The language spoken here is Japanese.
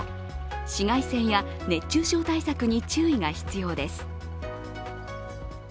紫外線や熱中症対策に注意が必要です。